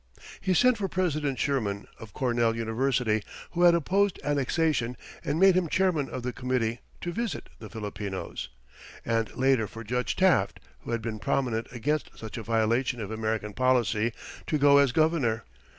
He sent for President Schurman, of Cornell University, who had opposed annexation and made him chairman of the committee to visit the Filipinos; and later for Judge Taft, who had been prominent against such a violation of American policy, to go as Governor.